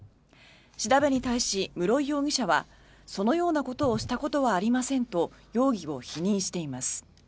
調べに対し、室井容疑者はそのようなことをしたことはありませんと容疑を否認しています。